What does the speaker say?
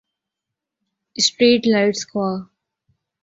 street lights خوا